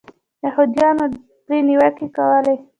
یهودیانو پرې نیوکې کولې.